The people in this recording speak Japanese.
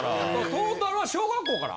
トータルは小学校から？